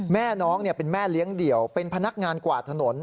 แม่น้องเป็นแม่เลี้ยงเดี่ยวเป็นพนักงานกวาดถนน